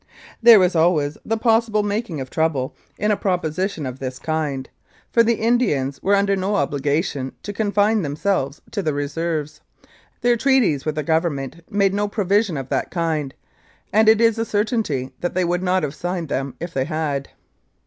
There was always the possible making of trouble in 262 Incidents of Mounted Police Life a proposition of that kind, for the Indians were under no obligation to confine themselves to their Reserves their treaties with the Government made no provision of that kind, and it is a certainty that they; would not have signed them if they had.